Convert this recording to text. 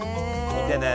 見てね！